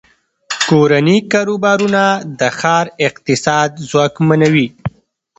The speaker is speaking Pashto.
کورني کاروبارونه د ښار اقتصاد ځواکمنوي.